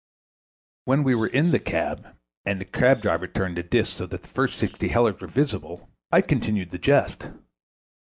When we were in the cab, and the cab driver turned the disc so that the first sixty hellers were visible, I continued the jest.